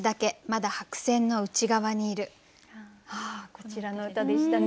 こちらの歌でしたね。